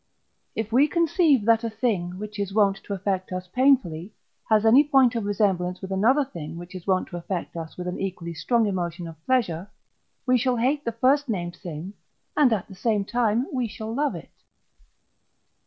If we conceive that a thing, which is wont to affect us painfully, has any point of resemblance with another thing which is wont to affect us with an equally strong emotion of pleasure, we shall hate the first named thing, and at the same time we shall love it.